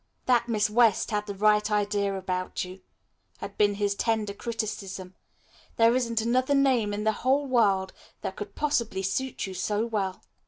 "That Miss West had the right idea about you," had been his tender criticism. "There isn't another name in the whole world that could possibly suit you so well."